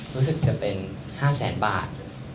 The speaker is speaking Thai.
รู้สึกจะเป็น๕๐๐๐๐๐บาท